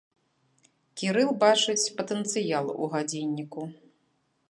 Кірыл бачыць патэнцыял у гадзінніку.